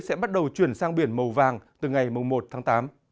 sẽ bắt đầu chuyển sang biển màu vàng từ ngày một tháng tám